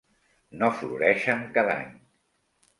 No floreixen cada any.